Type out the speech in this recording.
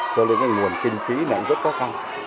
cho đến nguồn kinh phí rất có cao